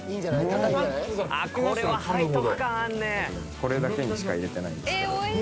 これだけにしか入れてないんですけど。